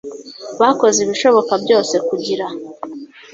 bakoze ibishoboka byose kugira